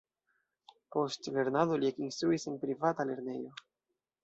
Post lernado li ekinstruis en privata lernejo.